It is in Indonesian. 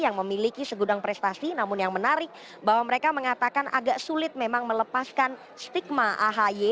yang memiliki segudang prestasi namun yang menarik bahwa mereka mengatakan agak sulit memang melepaskan stigma ahi